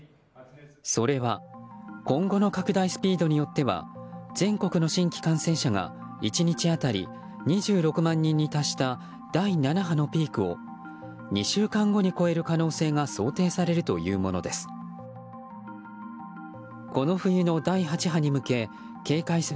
それは今後の拡大スピードによっては全国の新規感染者が１日当たり２６万人に達した第７波のピークを２週間後に超える可能性が想定されるというものです。